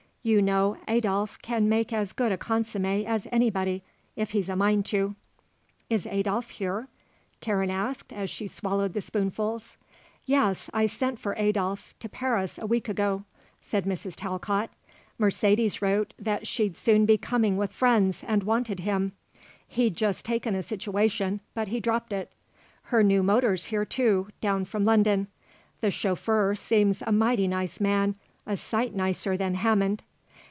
You know Adolphe can make as good a consommée as anybody, if he's a mind to." "Is Adolphe here?" Karen asked as she swallowed the spoonfuls. "Yes, I sent for Adolphe to Paris a week ago," said Mrs. Talcott. "Mercedes wrote that she'd soon be coming with friends and wanted him. He'd just taken a situation, but he dropped it. Her new motor's here, too, down from London. The chauffeur seems a mighty nice man, a sight nicer than Hammond."